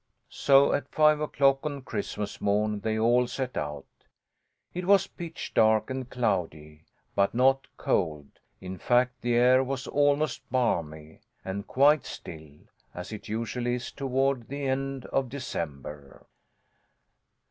So at five o'clock on Christmas Morn they all set out. It was pitch dark and cloudy, but not cold; in fact the air was almost balmy, and quite still, as it usually is toward the end of December.